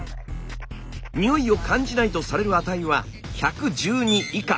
においを感じないとされる値は１１２以下。